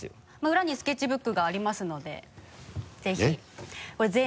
裏にスケッチブックがありますのでぜひ。